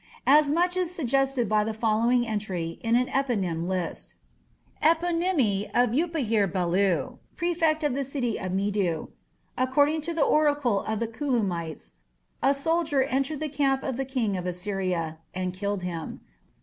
As much is suggested by the following entry in an eponym list. Eponymy of Upahhir belu, prefect of the city of Amedu ... According to the oracle of the Kulummite(s).... A soldier (entered) the camp of the king of Assyria (and killed him?)